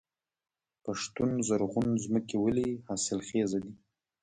پښتون زرغون ځمکې ولې حاصلخیزه دي؟